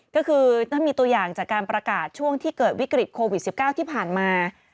ก็คือถ้ามีตัวอย่างจากการประกาศช่วงที่เกิดวิกฤตโควิด๑๙ที่ผ่านมา